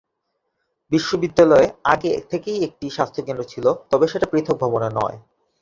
বিশ্ববিদ্যালয়ে আগে থেকেই একটি স্বাস্থ্যকেন্দ্র ছিল, তবে সেটা পৃথক ভবনে নয়।